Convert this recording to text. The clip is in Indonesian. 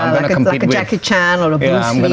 like jackie chan atau bruce lee